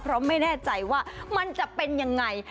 เพราะไม่แน่ใจว่ามันจะเป็นยังไง